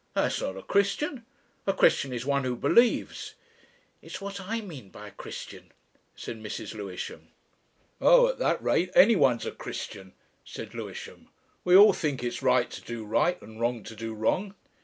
"That's not a Christian. A Christian is one who believes." "It's what I mean by a Christian," said Mrs. Lewisham. "Oh! at that rate anyone's a Christian," said Lewisham. "We all think it's right to do right and wrong to do wrong."